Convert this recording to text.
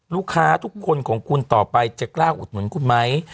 ลูกค้าทุกคนของคุณต่อไปจะกล้าอุดหนุนคุณไหม